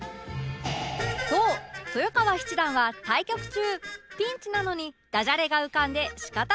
そう豊川七段は対局中ピンチなのにダジャレが浮かんで仕方ない男